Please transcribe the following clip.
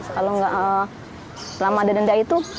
kalau gak selama ada denda itu